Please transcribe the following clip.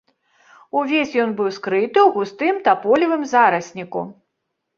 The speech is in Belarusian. Увесь ён быў скрыты ў густым таполевым зарасніку.